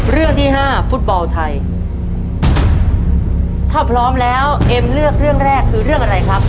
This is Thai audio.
เรื่องที่ห้าฟุตบอลไทยถ้าพร้อมแล้วเอ็มเลือกเรื่องแรกคือเรื่องอะไรครับ